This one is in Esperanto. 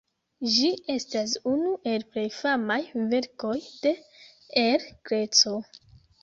Ĝi estas unu el plej famaj verkoj de El Greco.